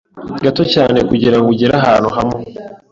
gato cyane kugirango ugere ahantu hamwe